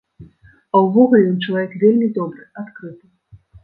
А ўвогуле ён чалавек вельмі добры, адкрыты.